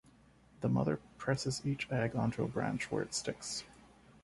The mother presses each egg onto a branch, where it sticks.